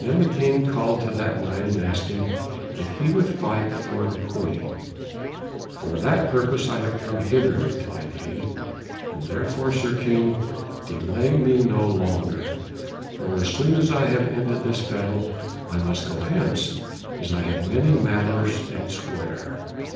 Then the King called to that Knight and asked him if he would fight for the Queen. "For that purpose I came hither," replied he, "and therefore, Sir King, delay me no longer, for as soon as I have ended this battle I must go hence, as I have many matters elsewhere.